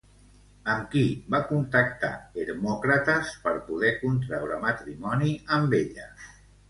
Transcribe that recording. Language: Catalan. Amb qui va contactar Hermòcrates per poder contraure matrimoni amb ella?